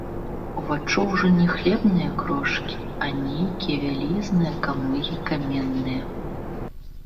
Уваччу ўжо не хлебныя крошкі, а нейкія вялізныя камлыгі каменныя.